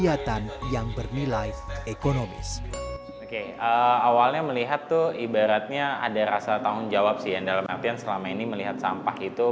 hasil yang memang lebih baik adalah jika kita meneliti